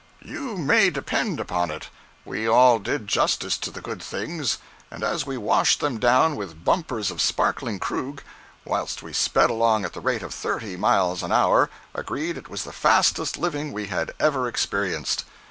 047.jpg (88K) "You may depend upon it, we all did justice to the good things, and as we washed them down with bumpers of sparkling Krug, whilst we sped along at the rate of thirty miles an hour, agreed it was the fastest living we had ever experienced.